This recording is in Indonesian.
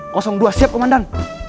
kosong dua siap komandan